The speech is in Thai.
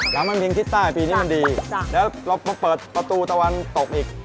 หลังมันพิงทิศใต้ปีนี้มันดีแล้วเรามาเปิดประตูตะวันตกอีก